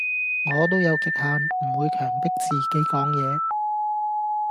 我都有極限，唔會強迫自己講嘢